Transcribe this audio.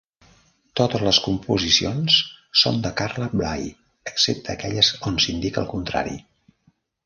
Totes les composicions són de Carla Bley, excepte aquelles on s'indica el contrari.